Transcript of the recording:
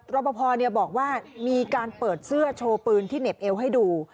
รอปภบอกว่ามีการเปิดเสื้อโชว์ปืนที่เหน็บเอวให้ดู